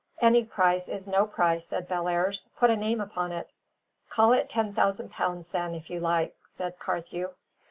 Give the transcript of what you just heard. "Any price is no price," said Bellairs. "Put a name upon it." "Call it ten thousand pounds then, if you like!" said Carthew.